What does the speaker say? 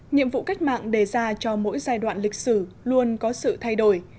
nhiệm vụ cách mạng đề ra cho mỗi giai đoạn lịch sử luôn có sự thay đổi